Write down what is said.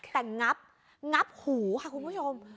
แต่งับงับหูค่ะคุณผู้ชม